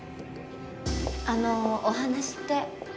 あのお話って。